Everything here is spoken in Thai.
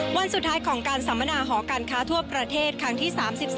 วันสุดท้ายของการสัมมนาหอการค้าทั่วประเทศครั้งที่๓๒